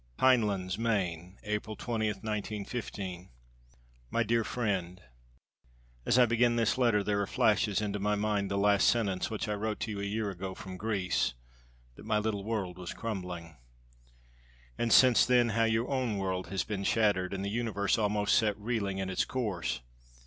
PINELANDS, MAINE, April 20, 1915. MY DEAR FRIEND: As I begin this letter there flashes into my mind the last sentence which I wrote to you a year ago from Greece that my little world was crumbling. And since then how your own world has been shattered, and the universe almost set reeling in its course!